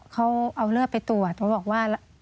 เขาเอาเลือดไปตรวจเขาบอกว่า